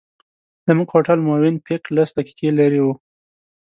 زموږ هوټل مووېن پېک لس دقیقې لرې و.